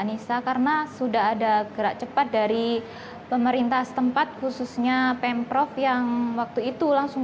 anissa karena sudah ada gerak cepat dari pemerintah setempat khususnya pemprov yang waktu itu langsung